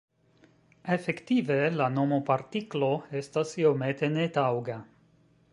Efektive, la nomo "partiklo" estas iomete netaŭga.